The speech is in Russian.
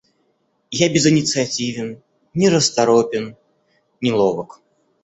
Я безынициативен, нерасторопен, неловок.